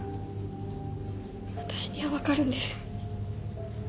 私には分かるんです。